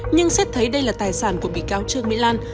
nhưng xét thấy đây là tài sản của bị cáo trương mỹ lan